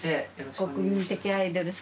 国民的アイドル様。